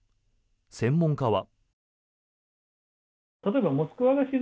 専門家は。